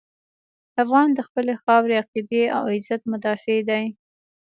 افغان د خپلې خاورې، عقیدې او عزت مدافع دی.